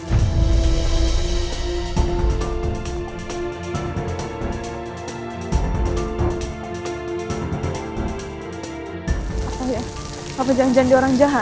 apa janjian dia orang jahat